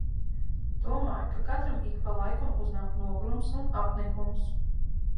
Domāju, ka katram ik pa laikam uznāk nogurums un apnikums.